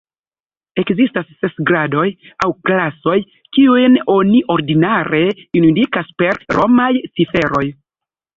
Ekzistas ses gradoj, aŭ klasoj, kiujn oni ordinare indikas per romaj ciferoj.